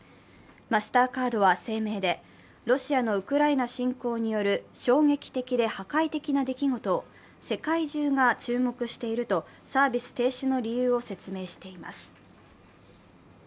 マスターカードは声明で、ロシアのウクライナ侵攻による衝撃的で破壊的な出来事を世界中が注目しているとサービス停止の理由を説明しています。